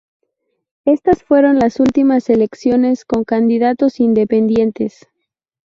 Estas fueron las últimas elecciones con candidatos independientes.